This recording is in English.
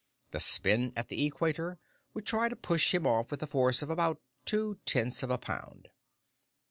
The spin at the equator would try to push him off with a force of about two tenths of a pound.